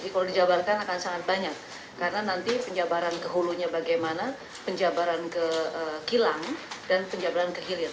kalau dijabarkan akan sangat banyak karena nanti penjabaran ke hulunya bagaimana penjabaran ke kilang dan penjabaran ke hilir